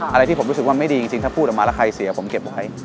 อะไรที่ผมรู้สึกว่าไม่ดีจริงถ้าพูดออกมาแล้วใครเสียผมเก็บไว้